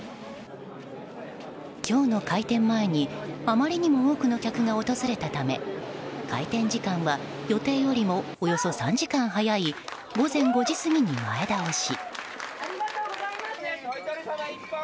今日の開店前にあまりにも多くの客が訪れたため開店時間は予定よりもおよそ３時間早い午前５時過ぎに前倒し。